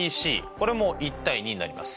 これも１：２になります。